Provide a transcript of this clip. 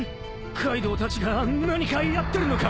カイドウたちが何かやってるのか！？